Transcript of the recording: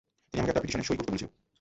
তিনি আমাকে একটা পিটিশনে সঁই করতে বলছিল।